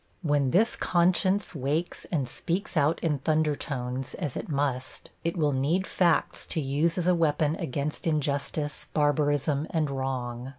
When this conscience wakes and speaks out in thunder tones, as it must, it will need facts to use as a weapon against injustice, barbarism and wrong.